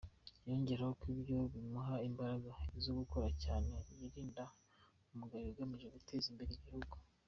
Yongeraho ko ibyo bimuha imbaraga zo gukora cyane yirinda umugayo, agamije guteza imbere igihugu.